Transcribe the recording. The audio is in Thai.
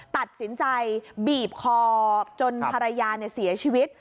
ตัดสินใจบีบคอจนภรรยาเสียชีวิต